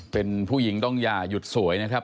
เป็นผู้หญิงต้องอย่าหยุดสวยนะครับ